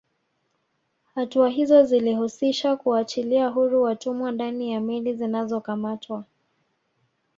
Hatua izo zilihusisha kuwaachilia huru watumwa ndani ya meli zinazokamatwa